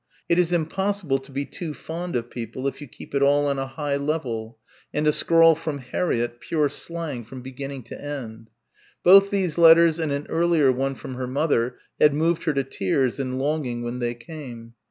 It is impossible to be too fond of people if you keep it all on a high level," and a scrawl from Harriett, pure slang from beginning to end. Both these letters and an earlier one from her mother had moved her to tears and longing when they came.